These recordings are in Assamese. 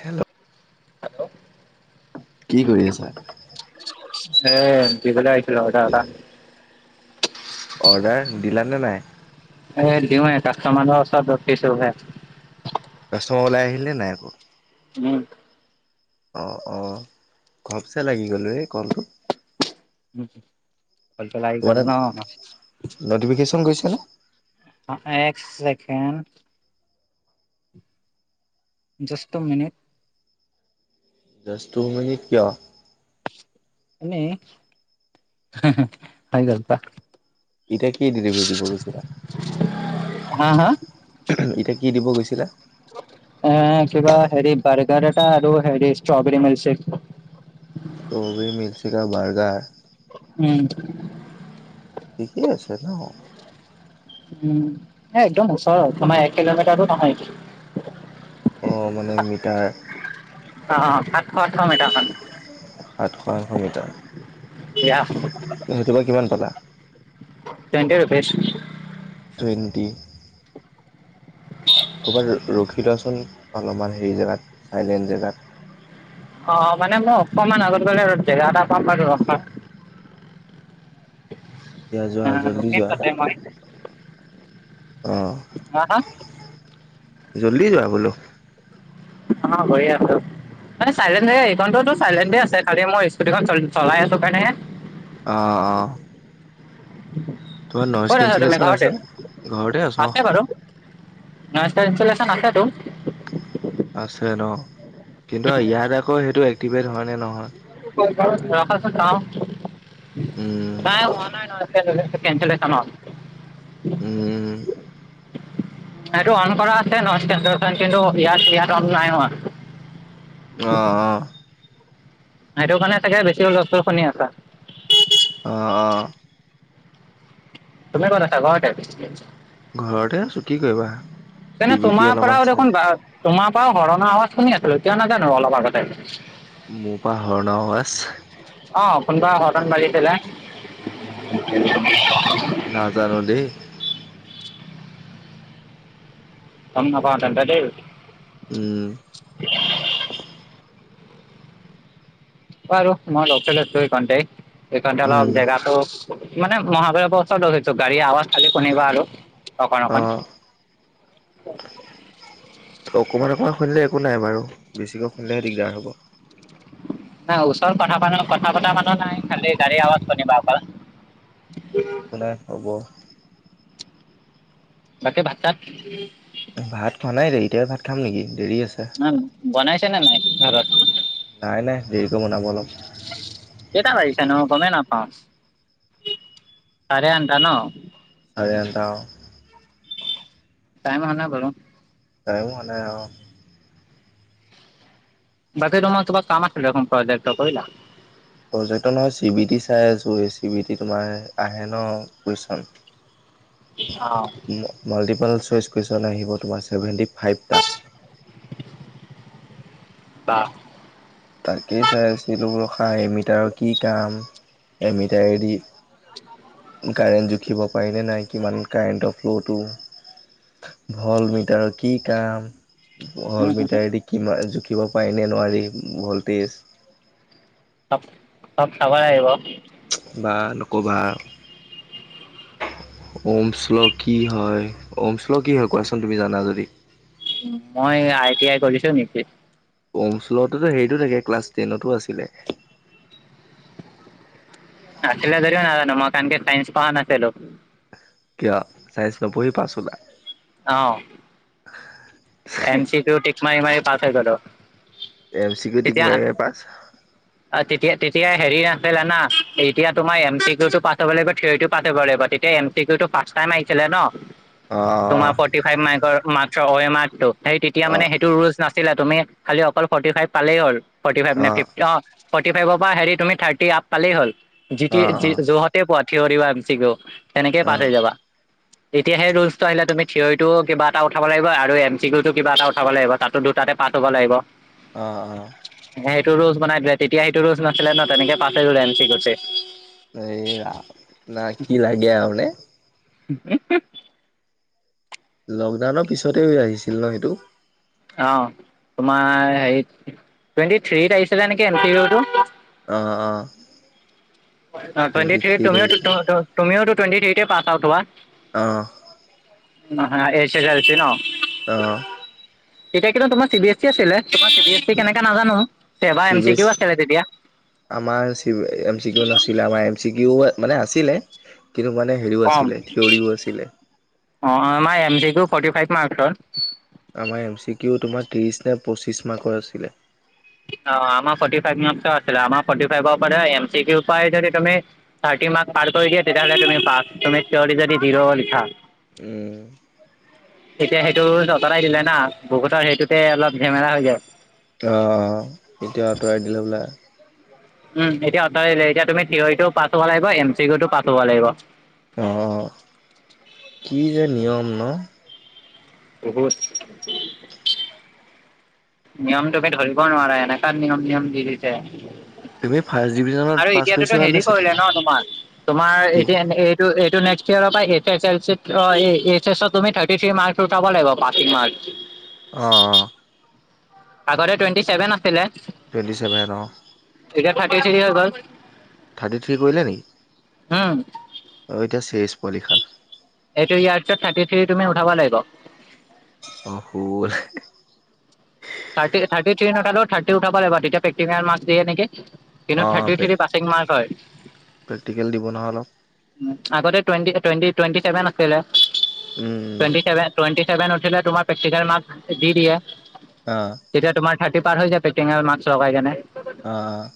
হেল্ল' হেল্ল' কি কৰি আছা? সে দিবলে আহিছিলো অৰ্ডাৰ এটা। অৰ্ডাৰ দিলা নে নাই? এই দিওঁ আৰু এটা কাষ্টমাৰৰ ওচৰত ৰখিছোহে। কাষ্টমাৰ ওলাই আহিলে নাই আকৌ? উম। অ অ ঘপচে লাগি গ'লো ৰে কলটো। উ কলটো লাগি তোমাৰ গ'ল তাত ন। নটিফিকেশ্যন গৈছে না? আ এক second. Just two minute. Just two মিনিটত কিয়? নে হৈ গ'ল কোৱা? এতিয়া কি ডেলিভাৰী দিব গৈছিলা? হা হা এতিয়া কি দিব গৈছিলা? এ কিবা হেৰি বাৰ্গাৰ এটা আৰু হেৰি ষ্ট্ৰবৰী মিল্কশেক। ষ্ট্ৰবেৰী মিল্কশেক আৰু বাৰ্গাৰ। উম। ঠিকেই আছে ন। উম, এ একদম ওচৰত তোমাৰ এক কিলোমিতাৰো নহয়। অ মানে মিটাৰ। অ অ সাতশ আঠশ মিটাৰমান। সাতশ আঠশ মিটাৰ ইয়া সেইটো পা কিমান পালা? Twenty rupees. টুৱেণ্টি। ক'ৰবাত ৰখি লোৱাচোন অলপমান হেৰি জেগাত চাইলেণ্ট জেগাত। অ মানে মই অকমান আগত গলে ৰ জেগা এটা পাম বাৰু ৰখাম। যোৱা যোৱা অ জল্দি ৰখিম যোৱা। তাতে মই। অ হা হা জল্দি যোৱা বোলো। বিচনা গৈ আছো। মানে চাইলেণ্ট এইখনটোতো চাইলেণ্টে আছে খালি মই স্কুটিখন চলাই আছো কাৰণে। অ অ। তোমাৰ নইজ ক'ত আছা তুমি কেনচেলেশ্যন ঘৰতে আছেনে? ঘৰতে আছ অ আছে বাৰু ইনষ্টলেচন আছেতো। আছে ন কিন্তু ইয়াত আকৌ সেইটো এক্টিভেট হয় নে নহয়। ৰখাচোন চাও উম নাই হোৱা নাই নহ। কেঞ্চেলেচনৰ ন। উম। সেইটো অন কৰা আছে কিন্তু ইয়াত ইয়াত অন নাই হোৱা। অ অ। সেইটো কাৰণে চাগে বেছি হুলস্থুল শুনি আছা। অ অ। তুমি ক'ত আছা ঘৰতে। ঘৰতে আছো কি কৰিবা। চি তেনে বি টি তোমাৰ অলপমান পৰাও চাই দেখোন তোমাৰ পৰাও হৰণৰ আৱাজ শুনি আছিলো কিয় নাজানো অলপ আগতে। মোৰ পৰা হৰ্ণৰ আৱাজ। অ কোনোবা হৰ্ণ বাজিছিলে। নাজানো দেই। গম নাপাওঁ তেন্তে দেই। উম। বাৰু মই ৰখি লৈছো এইকনতে এইকনতে অলপ উম জেগাটো। মানে মহাভৈৰবৰ ওচৰত ৰখিছো গাড়ী আৱাজ খালি শুনিবা আৰু অকন অ অকণ। [inaudible] অকমান অকণমান শুনিলে একো নাই বাৰু বেছিকৈ শুনিলেহে দিগদাৰ হ'ব। নাই ওচৰত কথা প কথা পতা মানুহ নাই খালি গাড়ীৰ আৱাজ শুনিবা অকল। [inaudible] একো নাই হ'ব। বাকী ভাতা চাত। ভাত খোৱা নাই দেই এতিয়াই ভাত খাম নেকি দেৰি আছে। ন বনাইছে নে নাই ঘৰত। নাই নাই দেৰিকৈ বনাব অলপ। কেইটা বাজিছেনো গমেই নাপাওঁ চাৰে আঠটা ন। চাৰে আঠটা অ। টাইম হোৱা নাই বাৰু। টাইম হোৱা নাই অ। বাকী তোমাৰ কিউ কাম আছিল প্ৰজেক্টৰ কৰিলা। প্ৰজেক্টৰ নহয় চি বি টি চাই আছো এই চি বি টি তোমাৰ আহে ন কুৱেচন। [inaudible] অ। মাল্টিপাল চইচ কুৱেশ্যন আহিব তোমাৰ ছেভেণ্টি ফাইভ টা। বাহ। তাকেই চাই আছিলোঁ বোলো খা এমিটাৰৰ কি কাম এমিটাৰেদি। কাৰেণ্ট জুখিব পাৰিনে নাই কিমান কাৰেণ্টৰ ফ্ল'টো ভল্ট মিটাৰৰ কি কাম। ভল্ট মিটাৰেদি কিমান জুখিব পাৰিনে নোৱাৰি ভল্টেজ। চব, চব চাব লাগিব। বা নকবা আৰু ওম শ্ল কি হয় ওম শ্ল কি হয় কোৱাচোন তুমি জানা যদি? মই আই টি আই কৰিছো নেকি? কমচুলততো হেৰিতো থাকে ক্লাছ টেনতো আছিলে। আছিল ধৰিও নাজানোঁ মই কাৰণকে চায়েন্স পঢ়া নাছিলো। কিয় চাইন্ঞ্চ নপঢ়হি পাচ হলা। অ'। [inaudible] এম চি তো টিক মাৰি, মাৰি পাচ হৈ গ'লো। এম চি ক টিক তেতিয়া মীৰি মাৰি পাচ? তেতিয়া, তেতিয়া হেৰি আাছিল না এতিয়া তোমাৰ এম চি কউ টো পাছ হ'ব লাগিব থিয়ৰি টো পছ হ'ব লাগিব তেতিয়া এম সেইতো টো পাছতায়ে মাৰিছিলে ন। অ'। [unintelligible] সেই ফৰটি ফাইফ মাৰ্কৰ মাত্ৰ অমেআৰ টো তেতিয়া মানে অ' সেইটো ৰুল্ছ নাছিল। তুমি খালি অকল ফৰ্টি ফাইভ পালেই হ'ল ফৰ্টি ফাইভ নে ফিফট অ', ফৰ্টি ফাইভৰ পৰা হেৰি তুমি থাৰ্টি আপ পালেই হ'ল যিট অ' যহ [unintelligible] পোৱা থিয়ৰি বাচিকও তেনেকে পাছ অ' অ' হৈ যাবা। এতিয়া সেই ৰুলচটো আহিলে তুমি থিয়ৰিতটো কিবা এটা উঠাব লাগিব আৰু এম চিকুতো কিবা এটা উঠাব লাগিব তাতো দুটাতে পাত হ'ব লাগিব। অ', অ'। সেইটো ৰু'জ বনাই দিলে তেতিয়া সেইটো ৰচ নাছিলে ন তেনেকে পাতে ৰুলে আনিছি গছে। এই না কি লাগে আৰু মানে [unintelligible] লকডাউনৰ পিছতে হৈ আহিছিল ন সেইটো? অ', তোমাৰ হে টুৱেণ্টি থ্ৰীত আহিছিলে নেকি এনি অ', অ'। অ', টোৱেণ্টি টুৱেণ্টি থ্ৰীত আহিছিলে। তুমিও টোৱেণ্টি থ্ৰীত পাছ আউট হোৱা। অ'। [unintelligible] অ'। এতিয়া কিন্তু তোমাৰ চি বি এছ ই আছিলে তোমাৰ চ এ সি কেনেকা নাজানো SEBA M C B S কিও আছিলে তেতিয়া। আমাৰ এম চি কিউ নাছিলে আমাৰ এম চি কিউ মানে আছিলে। কিন্তু মানে হেৰিও কম আছিলে থিয়ৰিও আছিলে। অ', আমাৰ M C Q forty five মাৰ্কছত। আমাৰ এম চি কিউ তোমাৰ ত্ৰিশ নে পঁচিশ মাৰ্কৰ আছিলে। অ', আমাৰ ফৰ্টি ফাইভ মাৰ্ক্সৰ আছিলে আমাৰ ফৰ্টি ফাইভ পৰা এম চি কিউ উপায় ত থাৰ্টি মাৰ্ক্স পাৰ কৰি দিয়া তেতিয়াহ'লে তুমি পাছ তুমি থীয়ৰি যদি জিৰ' লিখা। উম, তেতিয়া সেইটো আতৰাই দিলে না বহুতৰ সেইটোতে অলপ ঝেমেৰা হৈ যায়। অ', অ' এতিয়া আঁতৰাই দিলে বোলে। উম, এতিয়াঁ আতৰাই দিলে এতিয়া তুমি থিয়ৰিটো পাছ হ'ব লাগিব এম চিউ পাছ হ'ব লাগিব। অ' কি যে নিয়ম ন অকলে নিয়ম তোকে ধৰিব নোৱাৰে এনেকুৱা নিয়ম নিয়ম দি দিছে। তুমি ফাৰ্ষ্ট ডিভিজনত আৰু পাছ এতিয়াতোত কৰিছিলা নে হেৰি ছেকেণ্ড কৰিলে ন তোমাৰ তোমাৰ কি এতিয়া। এইটো নেক্স ইয়াৰ পৰা এইছ এছ এল চিত আ এইছ এছত তুমি থাৰ্টি থ্ৰী মাৰ্ক্স উঠাব লাগিব পাচিং মাৰ্ক্স। অ, আগতে টুৱেণ্টি ছেভেন আছিলে। টুৱেণ্টি ছেভেন অ'। এতিয়া থাৰ্টি থ্ৰী হৈ গ'ল। থাৰ্টি থ্ৰী কৰিলে নি উম, অঁ এতিয়া চেজ পৰীক্ষাত। এইটো ইয়াৰ পিছত থাৰ্টি থ্ৰী তুমি উঠাব লাগিব। অ', [unintelligible] থাৰ্টি থাৰ্টি থ্ৰী নুথালেও থাৰ্টি উঠাব লাগিব তেতিয়া প্ৰেক্টিকেল মাৰ্ক্স দিয়ে নিকি। কিন্তু অ থাৰ্টি থ্ৰী পাছিং মাৰ্ক হয়। প্ৰেক্টিকেল দিব নহয় অলপ। আগতে টুৱেন্টি, টুৱেন্টি, টুৱেন্টি ছেভেন আছিলে, উম টুৱেন্টি চেভে টুৱেন্টি চেভেন উঠিলে তোমাৰ প্ৰেক্টিকেল মাৰ্ক দি দিয়ে অ' এতিয়া তোমাৰ থাৰ্টি পাৰ হৈ যায়, প্ৰেক্টিকেল মাক্স লগাই কেনে অ'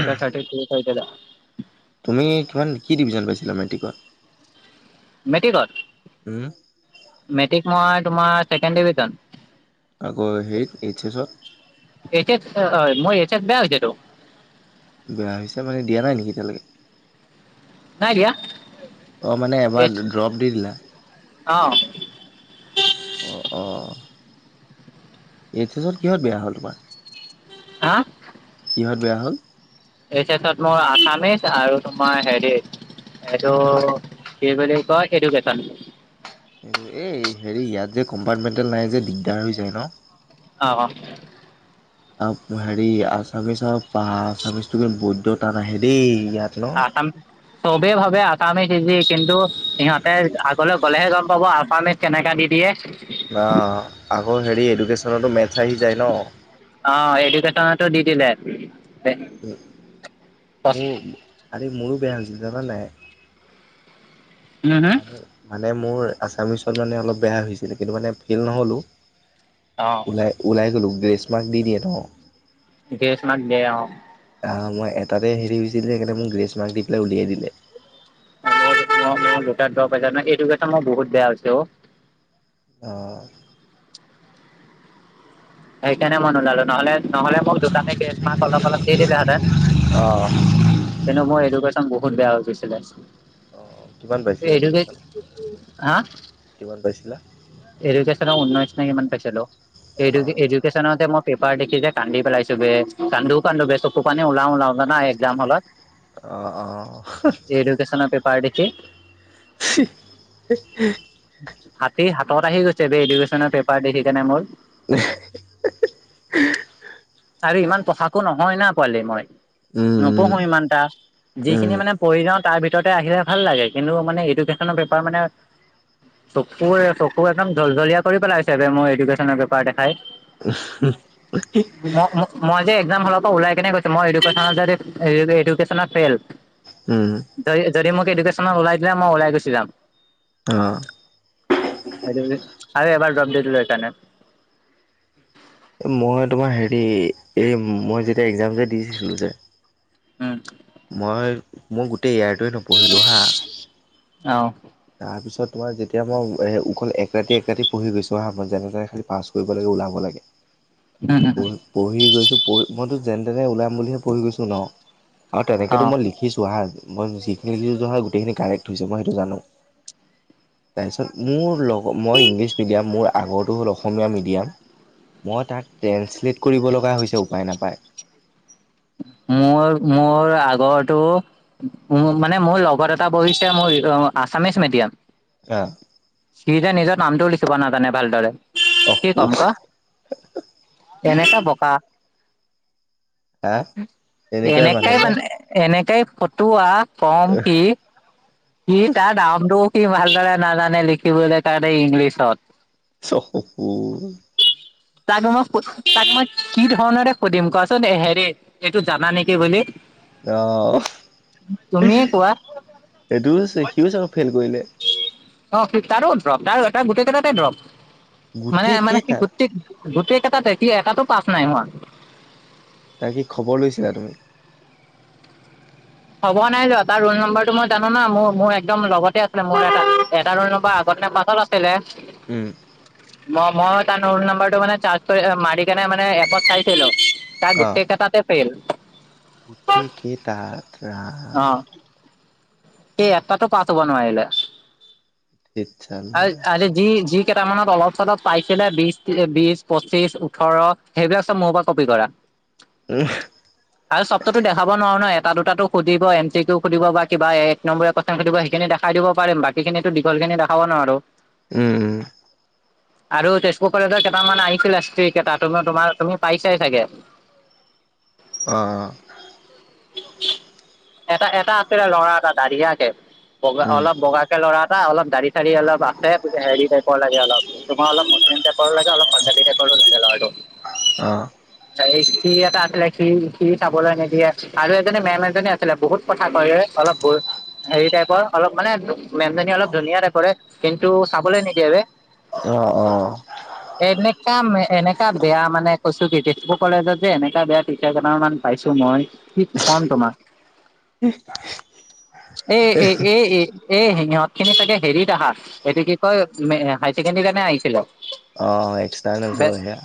এতিয়া থাৰ্টি থ্ৰী কৰি দিলে তুমি কিমান কি ডিভিজন পাইছিলা মেট্ৰিকত? মেটিকত? উম' মেট্ৰিক মই তোমাৰ, ছেকেণ্ড ডিভিজন আকৌ হেৰিত এইচ এচত? এইচ এছ অ' মই এইচ এছ বেয়া হৈছে টো বেয়া হৈছে মানে, দিয়া নাই নিকি এতিয়ালেকে? নাই দিয়া অ' মানে এইচ এবাৰ ড্ৰপ দি দিলা, অ' অ', অ' এইচ এছত কিহত বেয়া হ'ল তোমাৰ? হা? কিহঁত বেয়া হ'ল? এইচ এছত মোৰ আসামিছ, আৰু তোমাৰ হেৰিত এইটো কি বুলি কয়, এডুকেশ্বন এইটো এই হেৰি ইয়াত যে কম্পাৰ্টমেণ্টেল নাই যে দিগদাৰ হৈ যায় ন? অ', অ' আৰু হেৰি, আছামিচ আৰু বা আছামিচটো কিন্তু বৈদ্য টান আহে দেই ইয়াত ন। আচাম চবেই ভাবে আচামিজ ইজি কিন্তু সিহঁতে আগলে গ'লেহে গম পাব, আছামিজ কেনেকা দি দিয়ে অ' আকৌ হেৰি, এডুকেশ্যনতো মেটছ আহি যায় ন অ' এডুকেশ্বনতো দি দিলে মোৰ, আৰে মোৰো বেয়া হৈছিল জানা নাই উম হম মানে মানে মোৰ আছামিছত মানে অলপ বেয়া হৈছিল, কিন্তু মানে ফেইল নহ'লো অ' ওলাই, ওলাই গলো গ্ৰেছ মাৰ্ক দি দিয়ে ন? গ্ৰেচ মাৰ্ক দিয়ে অ'। অ', মই এটাতে হেৰি হৈছিল যে, সেইকাৰণে মোক গ্ৰেছ মাৰ্ক দি পেলাই উলিয়াই দিলে। [unintelligible] এডুকেশ্বন মোৰ বহুত বেয়া হৈছে অ'। অ'। সেইকাৰণে মই নোলালো, নহলে-নহলে মোক দুতাতে গ্ৰেচ মাৰ্ক অলপ অলপ দি দিলে হেঁতেন। অ'। কিন্তু মোৰ এডুকেশ্যন বহুত বেয়া হৈ গৈছিলে। অ', কিমান পাইছিলা এডুকেট এডুকেশ্যন? কিমান পাইছিলা? এডুকেশ্যনত ঊনৈশ নে কিমান পাইছিলোঁ, অ' এডো-এডুকেশ্ব নতে মই পেপাৰ দেখি যে কান্দি পেলাইছো বে, কান্দো কান্দো বে চকু পানি ওলাও ওলাওঁ জানা, এক্সাম হলত। অ', অ'। এডুকেশ্বনৰ পেপাৰ দেখি। [unintelligible] হাতী হাতত আহি গৈছে বে, এডুকেশচনৰ পেপাৰ দেখি কেনে মোৰ। [unintelligible] আৰু ইমান পঢ়াকো নহয় না পোৱালি মই। উম। নপঢ়ো ইমান এটা। যিখিনি উম উম মানে পঢ়ি যাওঁ তাৰ ভিতৰতে আহিলে ভাল লাগে, কিন্তু মানে এডুকেশ্যনৰ পেপাৰ মানে চকুৰে চকু একদম জলজলিয়া কৰি পেলাইছে বে মোৰ এডুকেশ্যনৰ পেপাৰ দেখাই। [unintelligible] ম-ম-মই যে একজাম হলৰ পৰা ওলাই কেনে কৈছো মই এডুকেশ্বন যদি, এ-এডুকেশ্বনত ফেইল। উম। যদি-যদি মোক এডুকেশ্বনত ওলাই দিলে মই ওলাই গুছি যাম। অ'। [unintelligible] আৰু এবাৰ ড্ৰপ দিলোঁ এইকাৰণে। এ মই তোমাৰ হেৰি, এই মই যেতিয়া একজাম যে দিছিলো যে উম মই, মই গোটেই এয়াৰটোৱে নপঢ়িলোঁ হা অ তাৰ পিছত তোমাৰ যেতিয়া মই এ অকল এক ৰাতি এক ৰাতি পঢ়ি গৈছো হা মই যেনে তেনে খালি পাছ কৰিব লাগে, ওলাব লাগে। উম উম পঢ়ি-পঢ়ি গৈছো পঢ়ি মইতো যেন তেনে ওলাম বুলিহে পঢ়ি গৈছো ন? আৰু অ তেনেকেতো মই লিখিছো হা, মই যিখিনি লিখিছো গোটেইখিনি কাৰেক্ট হৈছে মই সেইটো জানো। তাৰপিছত মোৰ লগ মই ইংলিছ মিডিয়াম মোৰ আগৰটো হ'ল অসমীয়া মিডিয়াম মই তাক ট্ৰেন্ঞ্চলেট কৰিব লগা হৈছে উপায় নাপায়। মোৰ, মোৰ আগৰটো মানে মোৰ লগত এটা বহিছে মোৰ আছামিচ মিডিয়াম। অ'। সি যে নিজৰ নামটোও লিখিব নাজানে ভালদৰে, অ কি ক'ম ক? এনেকা বকা হা তেনেকুৱাই মানুহ এনেকাই মানে নে এনেকাই ফটোৱা, ক'ম কি? সি তাৰ নামটোও সি ভালদৰে নাজানে লিখিবলে কাৰণে ইংলিছত। [unintelligible] তাকটো মই সু, তাক মই কি ধৰণেৰে সুধিম কোৱাচোন? হেৰি এইটো জানা নেকি বুলি? অহ, তুমিয়ে কোৱা সেইটোৱে আছে। সিও চাগে ফেইল কৰিলে। অ', তাৰো দ্ৰপ তাৰ তাৰ গোটেই কেইটাতে দ্ৰপ। মানে গোটেই মানে সি কেইটাত গোটেই গোটেই কেইটাতে। সি এটাতো পাছ নাই হোৱা। তাৰ কি খবৰ লৈছিলা তুমি? খবৰ নাই লোৱা তাৰ ৰোল নম্বৰটো মই জানো না। মোৰ মোৰ একদম লগতে আছিলে। মোৰ এটা এটা ৰোল নম্বৰ আগতে নে পাছ পিছত আছিলে। উম। মই মই তাৰ ৰ'ল নাম্বাৰটো মানে ছাৰ্চ কৰি মাৰি কেনে মানে এপত চাইছিলো। তাৰ অ'। গোটেই কেইটাতে ফেইল। গোটেই কেইটাত অ ৰাম! সি এটাতো পাছ হ'ব নোৱাৰিলে। ধেৎ চাল্লা। আৰু কালি সি যি কেইটামানত অলপ চলপ পাইছিলে বিছ, ট্ৰি, বিছ, পঁচিশ, ওঠৰ সেইবিলাক চব মোৰ পৰা কপি কৰা। উম। আৰু চবটোতো দেখাব নোৱাৰো ন। এটা দুটাতো সুধিব এম চি কিউ সুধিব বা কিবা এ এক নম্বৰীয়া প্ৰশ্ন সুধিব সেইখিনি দেখাই দিব পাৰিম। বাকীখিনিতো দীঘলখিনি দেখাব নোৱাৰো। উম। আৰু তেজপুৰ কলেজৰ কেইটামান আহিছিলে স্ত্ৰী কেইটা। তুমি তোমাৰ তুমি পাইছাই চাগে। অ'। এটা এটা আছিলে ল'ৰা এটা দাঢ়িয়াকে। বগা উম, অলপ বগাকে ল'ৰা এটা অলপ দাড়ি চাৰি অলপ আছে। হেৰি টাইপৰ লাগে অলপ। তোমাৰ অলপ মুছলিম টাইপৰো লাগে, অলপ পঞ্জাৱী টাইপৰো লাগে ল'ৰাটো। অ'। এই সি এটা আছিলে। সি-সি চাবলৈ নিদিয়ে আৰু এজনী মেম এজনী ছিলে বহুত কথা কয় এ, অলপ বু- হেৰি টাইপৰ। অলপ মানে, মেমজনী অলপ ধুনীয়া টাইপৰে। কিন্তু চাবলৈ নিদিয়ে বে। অ, অ'। এনেকা মে এনেকা বেয়া মানে কৈছো কি তেজপুৰ কলেজত যে এনেকা বেয়া টিচাৰ কেইটামান পাইছো মই কি কম তোমাক উহ এ এ এই এ এই সিহঁত খিনি ছাগে হেৰিত আহা এইটো কি কয় মে হাই ছেকেণ্ডিৰ কাৰণে আহিছিলে। অ, এক্সটাৰ্নেল চব সেয়া।